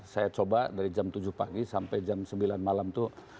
saya coba dari jam tujuh pagi sampai jam sembilan malam itu